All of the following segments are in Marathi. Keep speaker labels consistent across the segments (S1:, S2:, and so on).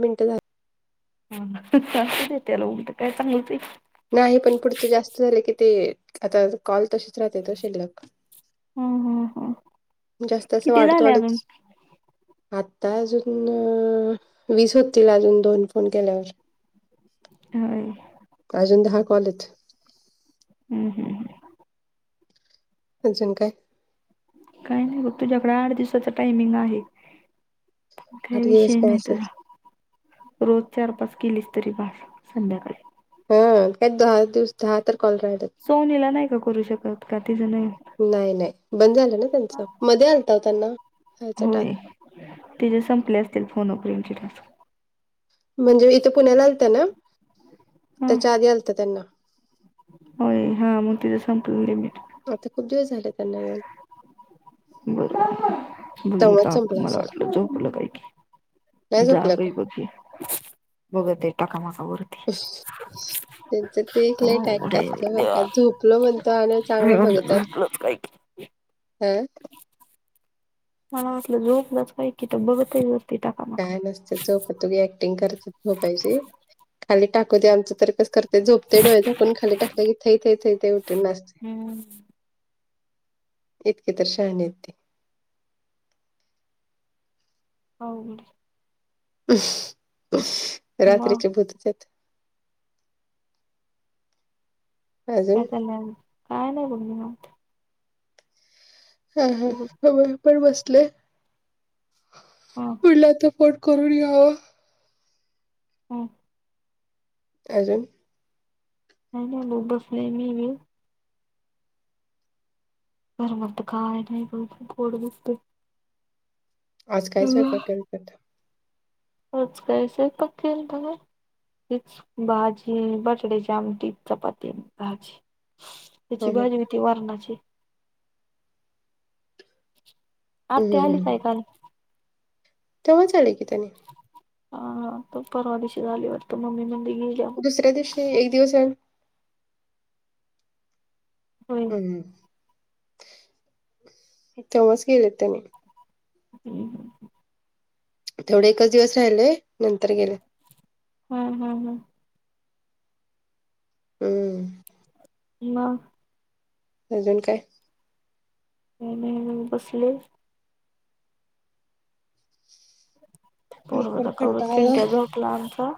S1: मिनटं झा
S2: हा त्याला उघ तर काय चांगलं ते
S1: नाही पण पुढचं जास्त झालं की ते आता कॉल तसेच राहते तसे ल
S2: हम्म हम्म हम्म
S1: जास्त असं
S2: किती
S1: वाढतो
S2: झाले
S1: वाढ
S2: अजून?
S1: आता अजून वीस होतील अजून दोन फोन केल्यावर
S2: होय
S1: अजून दहा कॉल हेत
S2: हम् हम
S1: अजून काय
S2: काही नाही ग तुझ्याकडे आठ दिवसाचा टायमिंग आहे.
S1: आठ
S2: काही
S1: दिवस
S2: विषय
S1: काय
S2: नाही तुझ
S1: असच
S2: रोज चार पाच केलीच तरी बास संध्याकाळी.
S1: हा काय दहा दिवस दहा तार कलरयात.
S2: सोनीला नाही का करू शकत का तिचं नाही
S1: नाही नाही बंद झालं ना त्यांचं मध्ये आलता हो त्यांना ह्याचा टाक
S2: होय ते जे संपले असतील फोनंट
S1: म्हणजे इथं पुण्याला आलतं ना
S2: हा
S1: त्याच्या आधी आलत त्यांना
S2: होय हा मग तिथं संपून म
S1: आता खूप दिवस झाले त्यांना येऊन.
S2: बरोबर बघ
S1: तेव्हाच
S2: का
S1: संपला
S2: मला
S1: असेल
S2: वाटलं जो आपलं काही की
S1: नाही
S2: जा
S1: झोपला
S2: काही
S1: काय
S2: बघी बघ ते टाका मागावर.
S1: [inaudible] त्यांच ते एक लय काय
S2: अवघड
S1: काय
S2: आहे
S1: असत
S2: रे
S1: बर का
S2: देवा
S1: झोपलो म्हणतो आणि
S2: मी
S1: चांगलं बघतात.
S2: [unintelligible]
S1: अह.
S2: मला वाटलं झोपलात काय कि तर बघतय [unintelligible]
S1: काय नुसते झोपायची ऍक्टिंग करत झोपायची खाली टाकू दे आमचं तर कस कर ते झोपते डोळे झाकून खाली टाकला की थै थै थै उठून नाचते.
S2: हम्म
S1: इतकी तर शहाणे आहेत ते.
S2: हो. मग
S1: रात्रीचे भूतच आहेत. अजून
S2: कस नाय काय नाही बोलली ना.
S1: हा हा
S2: तुझं
S1: [unintelligible] पण बसले
S2: हा
S1: पुढला तर. सपोर्ट करून घ्यावा.
S2: हम्म.
S1: अजून
S2: काय नाही बस बसले [unintelligible] [unintelligible]
S1: आज काय
S2: तुझं?
S1: स्वयंपाक करितात?
S2: आज काय स्वयंपाक केलता काय तेच भाजी, बटाट्याची आमटी, चपाती आणि भाजी.
S1: हं
S2: त्याची
S1: हं
S2: भाजी होती वरणाची.
S1: हं
S2: आत्या आली
S1: हं
S2: काय काल?
S1: तेव्हाच आली की त्यांनी.
S2: हा तो परवा दिवशी झाली वाटत मम्मी म्हणले गेल्या.
S1: दुसऱ्या दिवशी एक दिवस येऊन
S2: होय
S1: हम्म तेव्हाच गेले त्यांनी.
S2: हम्म हम्म.
S1: तेवढ एकच दिवस राहिले नंतर गेले.
S2: हम्म हम्म हम्म.
S1: हम्म.
S2: म
S1: अजून काय?
S2: काय नाय मंग बसले
S1: मी पण
S2: पोरग [unintelligible]
S1: कंटाळा आला
S2: खिंट्या झोपला आमचा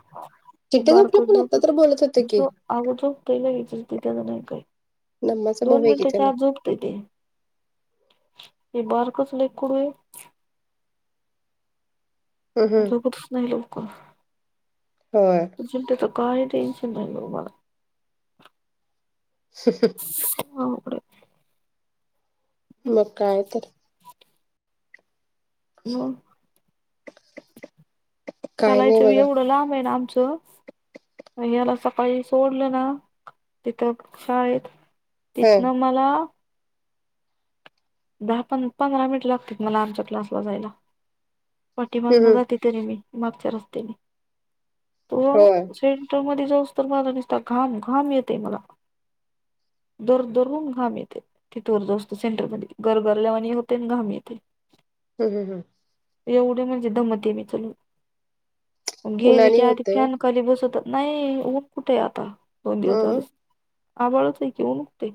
S1: चिट्टे झोपलं
S2: बारक
S1: पण आता
S2: झोप
S1: तर बोलत होत की
S2: झोप आव झोपतय [unintelligible]
S1: नम्माचा भाऊ
S2: दोन
S1: आहे की त्याला
S2: मिनिटाच्या आज झोपतेय ते. हे बारकच लय कडू आहे.
S1: हम्म हम्म
S2: झोपतच नाय लवकर.
S1: होय
S2: चिंट्याचं काही टेन्शन नाही बघ मला.
S1: ह ह.
S2: [unintelligible]
S1: मग काय तर.
S2: म
S1: काय नाही
S2: चालायचं
S1: बघा
S2: एवढं लांब आहे ना आमचं याला सकाळी सोडलं ना तिथं शाळेत
S1: ह
S2: तिथनं मला दहा प पंधरा मिनिट लागत्यात मला आमच्या क्लासला जायला पाठी
S1: हम्म
S2: मागन
S1: हम्म
S2: जाते तरी मी मागच्या रस्त्याने
S1: होय
S2: [unintelligible] तर मध्ये जाऊस तर मला निसता घाम घाम येतय मला दरदरून घाम येतेय तिथे वर जास्तो सेंटरमध्ये गरगरल्यावानी होते अन घाम येते.
S1: हम हम हम
S2: एवढे म्हणजे दमते मी चलू गेले
S1: उन्हानी
S2: की आधी
S1: होतय ओ
S2: फन खाली बसवतात नाही ऊन कुठे आता दोन दिवस झाल
S1: हम्म
S2: आवळत आहे की उनठते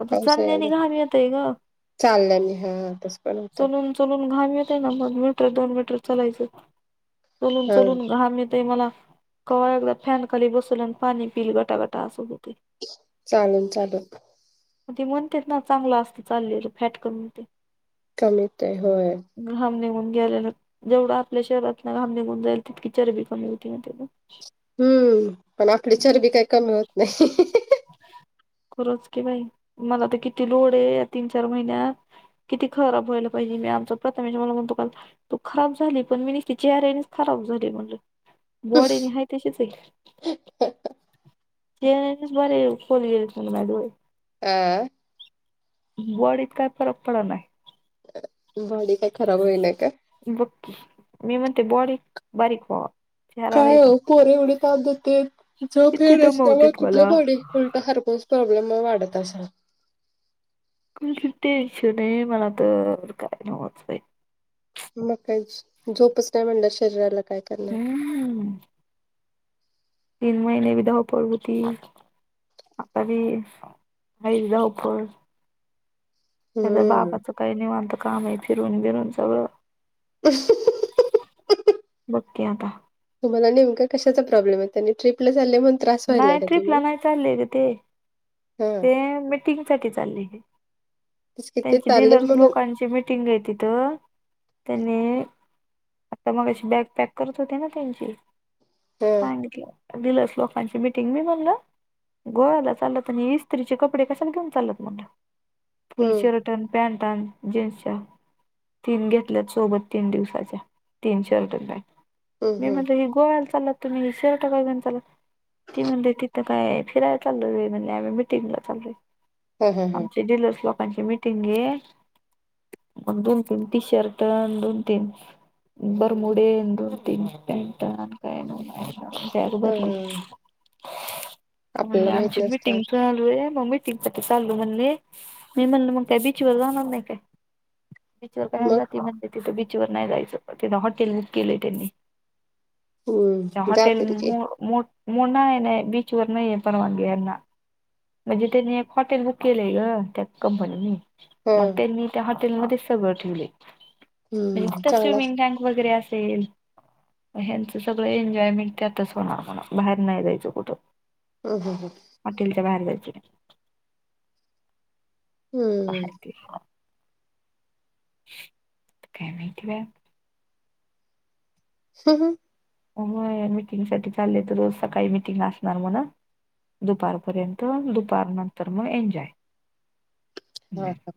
S2: आता
S1: पाऊस
S2: चालण्याने
S1: यायला
S2: घाब येतय ग
S1: चाललंय मी हा तस पण होत
S2: चलून चलून घाम येते ना मग मीटर दोन मीटर चलायचं चलून
S1: हा
S2: चलून घहा मिळेतय मला क एकदा फॅन खाली बसवल्या आणि पाणी पिल गटागटा असू होती
S1: चाल चालल
S2: ते म्हणते ना चांगला असत चाललेलं फॅट कमीते
S1: कमीत होय
S2: ग्रहम निघून गेले जेवढं आपल्या शहरात ना घाम निघून जाईल तितकी चरबी कमी होती म त्या
S1: हम्म पण आपली चरबी काही कमी होत नाही
S2: खरंच की बाई मला तर किती लोड आहे तीन चार महिन्यात किती खराब वयलं पाहिजे मी आमच प्रथमेच्या तुला तू खराब झाली पण मी न ति चेहऱ्यानेच खराब झाली म्हणलं बॉडी आहे तशीच आहे ज बर खोलीले मॅडोय
S1: हह
S2: बॉडीत काय फरक पडत नाही
S1: बॉडी काही खराब होई नाही का
S2: बक्की मी म्हणते बॉडी बारीक व्हावा चेहरा
S1: काय
S2: वेगळा
S1: पोरे एवढे ताात देते ज
S2: किती
S1: फेड असल्यामुळे
S2: दमवतेत
S1: कुठलं
S2: मला.
S1: पाडे खरकच प्रॉब्लेम वाढत असा
S2: कुण टेन्शन आहे मला तर काय नवचई
S1: मग का झोपच नाहीय म्हणल्या शरीराला काय करणार
S2: हम्म तीन महिने विधाव पड होती करी वैधवपूर त्याच्या
S1: हम्म.
S2: बाबाचं काही निवनत कामही फिरून बिरून सगळं
S1: ह
S2: बक्या का
S1: तुम्हाला नेमका कशाचा प्रॉब्लेम आहे आणि ट्रप ला झा म्हण
S2: नाही ट्रिपला नाही चाललीय का ते
S1: हम
S2: ंग चा
S1: तेच कि
S2: त्यां
S1: ते चाललेत
S2: ड
S1: म्हणून
S2: लोकां टिंगाय तथ त्याने आता मग अशी बॅग पॅक करत होते ना त्यांची
S1: हा
S2: सांगितलं दिलंस लोकांची मीटिंग मी म्हणलं गोव्याला चाललं तरस् तरीचे कपडे कशाने घेऊन चालत म्हणलं फुल
S1: हम्म
S2: शर्ट न पॅन्टा न जीन्सच्या तीन घेतल्या सोबत तीन दिवसाच्या तीन शर्ट पॅन्ट
S1: हम्म
S2: मी
S1: हम्म
S2: म्हणजे ह गोव्याला चालला तुम्ही ह शिरटा का चाला ती म्हणजे तिथ काय फिरायला चालय म्हणे आम्ही मिटिंगला चालू आहे
S1: हा हा हा.
S2: आमचे डीललर्स ची मिीटिंग घे मग दोन तीन टी शर्ट दोन तीन बर मुडी द तीन पेट काय न
S1: हा
S2: भरली म्हणजे
S1: आपल्याला माहित
S2: आमची
S1: नसत्या
S2: मीटिंग! चालू रे मग मी टकप चालू म्हणले मी म्हणल मग काय बीच वर जाणार नाही काय बीचवर कयला
S1: मग
S2: जाती म्हणते तिथं बीचवर नाही जायचं तिथं हॉटेल ग केलंय त्यांनी. ! ! !
S1: हम्म
S2: हॉटेल
S1: जातील की.
S2: [unintelligible] [inaudible] म्हणजे त्यांनी एक हॉटेल बुक केलय ग. त्या कंपनीने.
S1: हा
S2: मग त्यांनी त्या हॉटेलमध्ये सगळ ठेवलय. म्हणजे
S1: हम्म
S2: तिथ
S1: चांगला
S2: स्विमिंग टँक वगैरे असेल. ह्यांच सगळ एन्जॉयमेंट त्यातच होणार. बाहेर नाही जायच कुठ.
S1: ह ह ह
S2: हॉटेलच्या बाहेर जायच नाही.
S1: हम्म
S2: काय माहिती बया.
S1: [unintelligible]
S2: हो मिटिंगसाठी चाललेय तर रोज सकाळी मिटिंग असणार म्हण. दुपारपर्यंत. दुपार नंतर मग एन्जॉय.
S1: हा का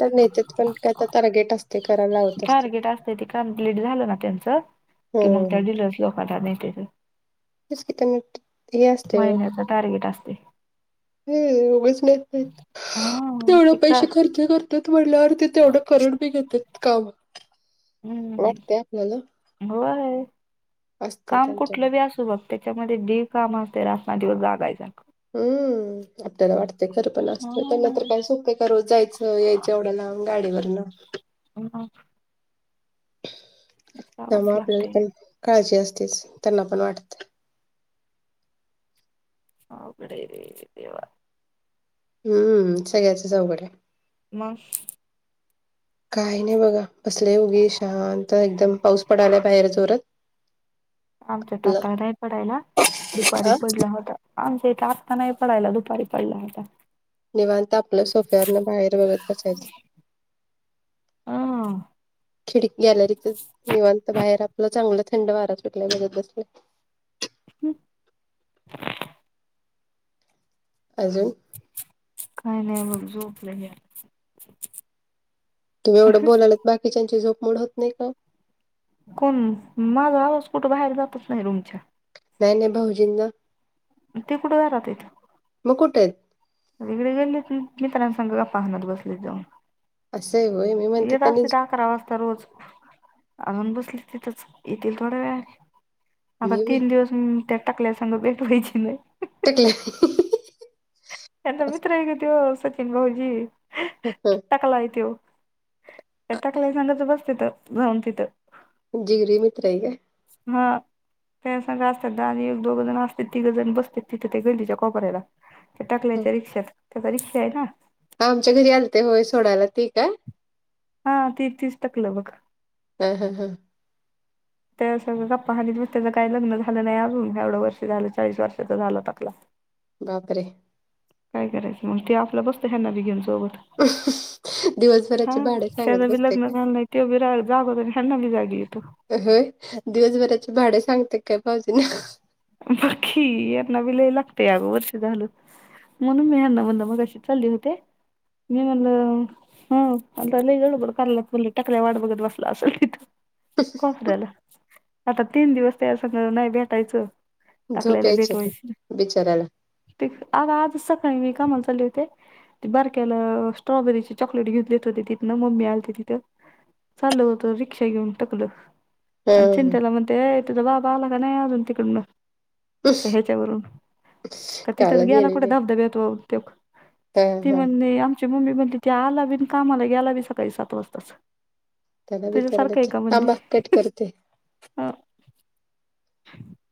S1: तर नेतेत पण काय तर टार्गेट असते करायला लावत असते
S2: टार्गेट अस ते कम्प्लीट झाल ना त्यांच, की मग त्या
S1: हम्म.
S2: डिलर्स लोकांना नेत्यात.
S1: [unintelligible]
S2: महिन्याच टार्गेट असते.
S1: हम्म उगीच नेत नाहीत.
S2: हा
S1: तेवढ
S2: तिथं
S1: पैसे खर्च कर ते तेवढ करून बी घेतात काम. वाटते आपल्याला
S2: हम्म व्हय
S1: असते
S2: काम
S1: त्यांच्या
S2: कुठल बी असू ब त्याच्यामध्ये जे काम असते रात ना दिवस जागायच.
S1: हम्म आपल्याला वाटतय खर पण असत. त्यांना तर काय सोप्प आहे का रोज जायच. यायच. एवढ्याला गाडीवरन. [inaudible]
S2: [unintelligible] जावच
S1: त्यामुळ आपल्याला
S2: लागते
S1: पण काळजी असतेच. त्यांना पण वाटत.
S2: अवघड ये रे देवा.
S1: हम्म हम्म सगळ्याच अवघड आहे.
S2: मग
S1: काही नाही बघा बसले उगी शांत एकदम. पाऊस पडाला बाहेर जोरात. [inaudible]
S2: आमच्यात आता नाही पडायला. दुपारी पडला होता. आमच्या इथे आत्ता नाही पडायला. दुपारी पडला होता.
S1: निवांत आपल सोप्यावरण बाहेर बघत बसायच.
S2: हा.
S1: खिड गॅलरीत निवांत बाहेर आपल चांगल थंड वारा सुटलाय बघत बसले.
S2: [unintelligible]
S1: अजून
S2: काही नाही मग झोपल
S1: तुम्ही एवढ बोलायलात बाकीच्यांची झोपमोड होत नाही का ओ.
S2: कोण माझा आवाज कुठ बाहेर जातच नाही रुमच्या.
S1: नाही नाही भाऊजींना.
S2: ते कुठ घरात आहेत.
S1: मग कुठे आहेत.
S2: ते तिकडं गल्लीत मित्रांसंग गप्पा हानत बसलेत जाऊन.
S1: असं आहे होय. मी म्हणते
S2: येत
S1: त्यांनी
S2: असत्यात अकरा वाजता रोज. अजून बसले तिथच. येतील थोड्या वेळाने. आता
S1: मी म्हण
S2: तीन दिवस हम त्या टकल्या संग भेट व्हायची नाही.
S1: टकल्या
S2: त्यांचा मित्र ये ग तो. सचिन भाऊजी.
S1: [unintelligible]
S2: टकलाय त्यो. त्या टकल्या संगच बसत्यात जाऊन तिथ.
S1: जीगरि मित्रय ग.
S2: हा त्याजसंग असत्यात दहा आणि एक दोघ जण असतेत तीघ जण बसतेत तिथं ते गल्लीच्या कोपऱ्याला त्या टकल्याच्या रिक्षात त्याका रिक्षाय ना
S1: आमच्या घरी आलते होय सोडायला ते काय?
S2: हा ती तीच टकलं बघ.
S1: हा हा हा
S2: त्याजा संग गप्पा हानित बसत्यात त्याज काय लग्न झालं नाही अजून एवढं वर्ष झालं चाळीस वर्षाचा झाला टकला
S1: बापरे
S2: काय करायचं मग त्यो आपलं बसतो ह्यांना बी घेऊन सोबत
S1: दिवसभराची भांड सांगत बसतय काय?
S2: ते बि रा जागवतो आन ह्यांनाबी जाग येतो.
S1: होय दिवसभराची भाड सांगतो काय भावजींना
S2: बक्की यांना बी लय लागतय अगं वर्ष झालं म्हणून मी ह्यांना म्हनल मघाशी चाल्ले होते मी म्हणलं हम् आता लय गळबड करलात म्हणल टकल्या वाट बघत बसला असल तिथं
S1: भाऊजींना?
S2: कोपऱ्याला आता तीन दिवस त्या संगं नाही भेटायचं
S1: झोप
S2: टाकल्याला
S1: यायची नाही बिचाऱ्याला
S2: तेक आग आजच सकाळी मी कामाला चाल्ले होते ती बारक्याला स्ट्रॉबेरीची चॉकलेट घेउन् देत होते तिथनं मम्मी आलती तिथं चाललं होतं रिक्षा घेऊन टकलं
S1: ह
S2: अन् चिंंट्याला म्हणत अय तुझा बाबा आला का नाही अजून तिकडनं
S1: ह
S2: त्या ह्याज्यावरून का तिथंच
S1: काला
S2: गेला कुठ
S1: गेलेले
S2: धबधब्यात वाहून त्यो
S1: हा
S2: ती
S1: हा
S2: म्हणली आमची मम्मी म्हणली ती आलाबी अन् कामाला गेला बी सकाळी सात वाजताच
S1: त्याला विचारायला
S2: तुझ्यासारखंय का म्हणंली
S1: थांबा कट करते.
S2: अ [inaudible]